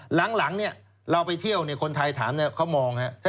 หลังเนี่ยเราไปเที่ยวเนี่ยคนไทยถามเนี่ยเขามองนะครับ